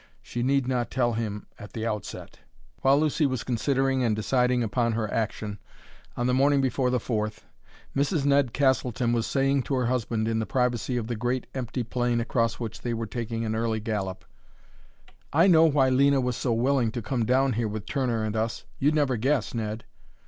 She need not tell him at the outset. While Lucy was considering and deciding upon her action, on the morning before the Fourth, Mrs. Ned Castleton was saying to her husband in the privacy of the great, empty plain across which they were taking an early gallop: "I know why Lena was so willing to come down here with Turner and us. You'd never guess, Ned."